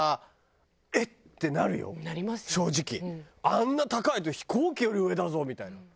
あんな高いだって飛行機より上だぞみたいな。